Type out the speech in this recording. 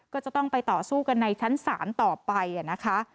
ก็จะต้องไปต่อสู้กันในชั้นศาลต่อไปนะคะ